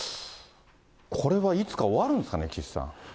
これはいつか終わるんですかね、岸さん。